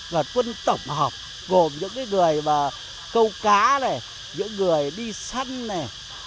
đoàn quân tổng hợp gồm những cái người mà câu cá này những người đi săn này